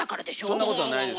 そんなことはないですよ。